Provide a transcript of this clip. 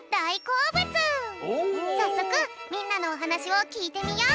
さっそくみんなのおはなしをきいてみよう。